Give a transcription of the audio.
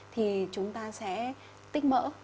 thì chúng ta sẽ tích mỡ